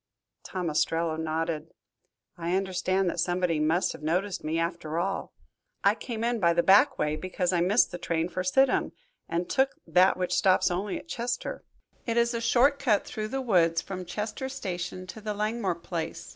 Tom Ostrello nodded. "I understand that somebody must have noticed me after all. I came in by the back way because I missed the train for Sidham, and took that which stops only at Chester. It is a short cut through the woods from Chester Station to the Langmore place.